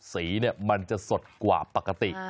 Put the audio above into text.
สีมันจะสดกว่าปกติ